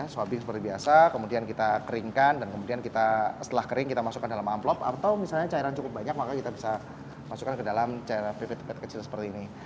swabbing seperti biasa kemudian kita keringkan dan kemudian kita setelah kering kita masukkan dalam amplop atau misalnya cairan cukup banyak maka kita bisa masukkan ke dalam cairan pipit pipet kecil seperti ini